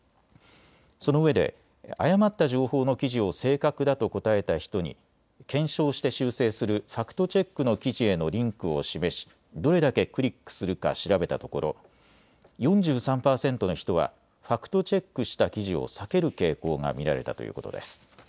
そのうえで誤まった情報の記事を正確だと答えた人に検証して修正するファクトチェックの記事へのリンクを示しどれだけクリックするか調べたところ４３％の人はファクトチェックした記事を避ける傾向が見られたということです。